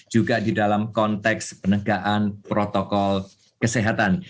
juga di dalam konteks penegakan protokol kesehatan